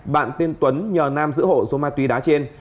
bạn tên tuấn nhờ nam giữ hộ số ma túy đá trên